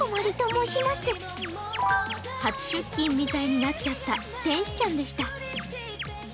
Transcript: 初出勤みたいになっちゃった天使ちゃんでした。